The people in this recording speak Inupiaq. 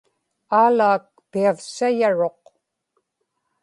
Aalaak piavsayaruq